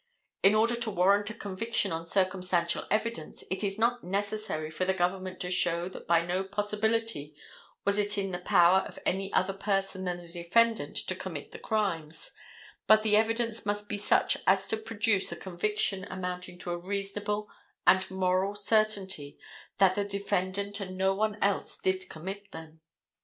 In order to warrant a conviction on circumstantial evidence it is not necessary for the government to show that by no possibility was it in the power of any other person than the defendant to commit the crimes; but the evidence must be such as to produce a conviction amounting to a reasonable and moral certainty that the defendant and no one else did commit them.